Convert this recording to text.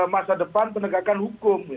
masa depan penegakan hukum